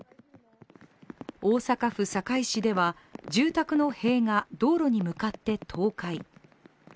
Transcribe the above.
大阪府堺市では、住宅の塀が道路に向かって倒壊。